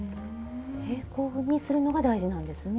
平行にするのが大事なんですね。